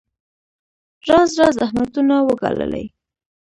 راز راز زحمتونه وګاللې.